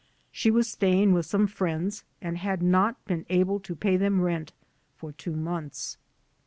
She was staying with some friends and had not been able to pay them rent for two months.